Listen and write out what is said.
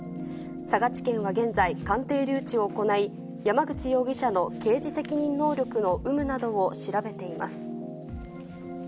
佐賀地検は現在、鑑定留置を行い、山口容疑者の刑事責任能力の有無などを調べています。